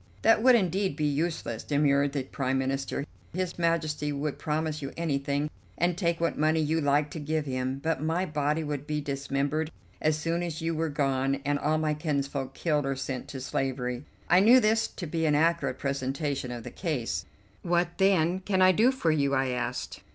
"That would indeed be useless," demurred the Prime Minister; "His Majesty would promise you anything and take what money you liked to give him; but my body would be dismembered as soon as you were gone, and all my kinsfolk killed or sent to slavery." I knew this to be an accurate presentation of the case. "What, then, can I do for you?" I asked.